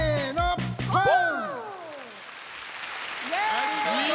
ありがとう！